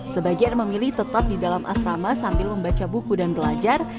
sebagian memilih tetap di dalam asrama sambil membaca buku dan belajar